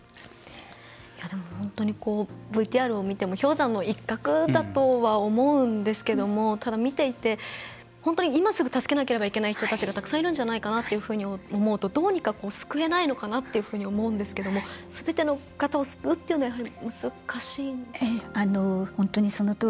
本当にＶＴＲを見ても氷山の一角だとは思うんですがただ、見ていて本当に今すぐ助けなければいけない人たちがたくさんいるんじゃないかなというふうに思うと、どうにか救えないのかなって思うんですけれどもすべての方を救うというのは難しいんですか？